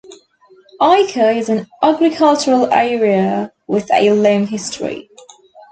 Eiker is an agricultural area with a long history.